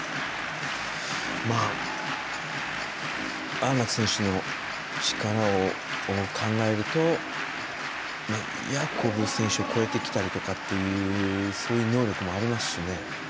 安楽選手の力を考えるとヤコブ選手を超えてきたりっていうそういう能力もありますしね。